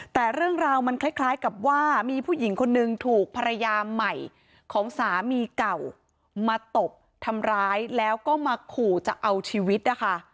แต่เรื่องราวมันคล้ายกับว่ามีผู้หญิงคนนึงถูกภรรยาใหม่ของสามีเก่ามาตบทำร้ายแล้วก็มาขู่จะเอาชีวิตนะคะ